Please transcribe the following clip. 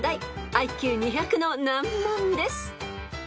ＩＱ２００の難問です］